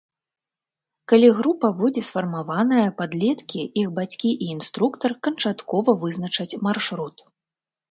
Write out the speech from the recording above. Калі група будзе сфармаваная, падлеткі, іх бацькі і інструктар канчаткова вызначаць маршрут.